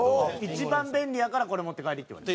「一番便利やからこれ持って帰り」って言われた？